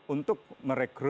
untuk membuat komisi